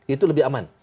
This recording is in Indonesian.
itu lebih aman